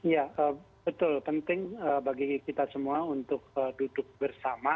ya betul penting bagi kita semua untuk duduk bersama